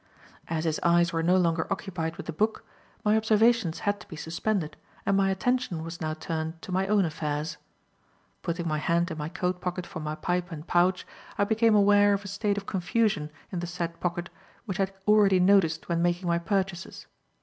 As his eyes were no longer occupied with the book, my observations had to be suspended, and my attention was now turned to my own affairs. Putting my hand in my coat pocket for my pipe and pouch, I became aware of a state of confusion in the said pocket which I had already noticed when making my purchases.